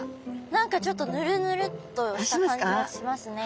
何かちょっとヌルヌルっとした感じがしますね。